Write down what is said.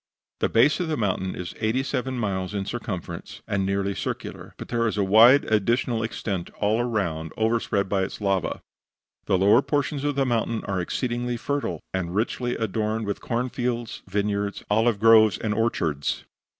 The base of the mountain is eighty seven miles in circumference, and nearly circular; but there is a wide additional extent all around overspread by its lava. The lower portions of the mountain are exceedingly fertile, and richly adorned with corn fields, vineyards, olive groves and orchards.